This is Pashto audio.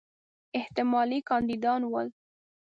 احتمالي کاندیدان ول.